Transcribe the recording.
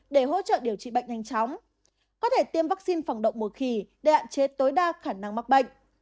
để hỗ trợ điều trị bệnh nhanh chóng có thể tiêm vaccine phòng động mùa khỉ để hạn chế tối đa khả năng mắc bệnh